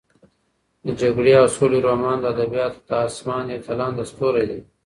د جګړې او سولې رومان د ادبیاتو د اسمان یو ځلانده ستوری دی.